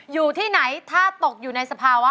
อยู่ที่ไหนถ้าตกอยู่ในสภาวะ